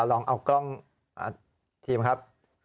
ลองเอากล้องทีมครับ